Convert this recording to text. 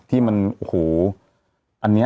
ที่มันโอ้โหอันนี้